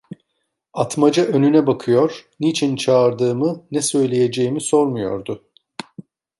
Atmaca önüne bakıyor, niçin çağırdığımı, ne söyleyeceğimi sormuyordu.